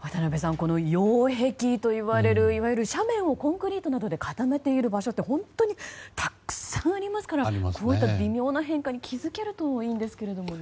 この擁壁といわれる斜面をコンクリートで固めている場所って本当にたくさんありますからこういった微妙な変化に気づけるといいですけどね。